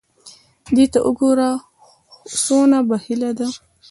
دې ته وګوره څونه بخیله ده !